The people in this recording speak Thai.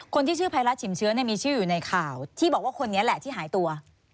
ชื่อภัยรัฐฉิมเชื้อมีชื่ออยู่ในข่าวที่บอกว่าคนนี้แหละที่หายตัว